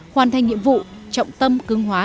hoàn thành nhiệm vụ trọng tâm cường hóa